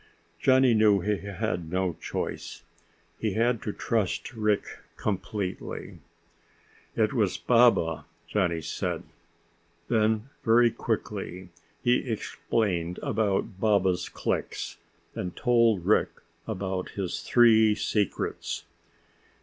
Johnny knew he had no choice, he had to trust Rick completely. "It was Baba," Johnny said. Then, very quickly, he explained about Baba's clicks, and told Rick about his three secrets.